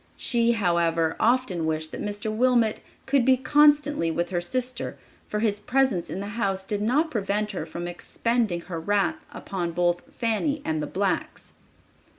She, however, often wished that Mr. Wilmot could be constantly with her sister, for his presence in the house did not prevent her from expending her wrath upon both Fanny and the blacks.